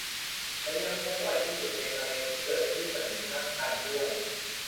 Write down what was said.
และยังพบบ่อยที่สุดในมะเร็งที่เกิดขึ้นกับหญิงตั้งครรภ์ด้วย